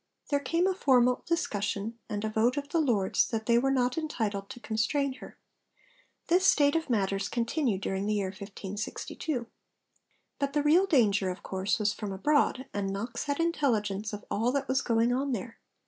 there came a formal discussion and a vote of the Lords that they were not entitled to constrain her. This state of matters continued during the year 1562. But the real danger, of course, was from abroad, and Knox had intelligence of all that was going on there.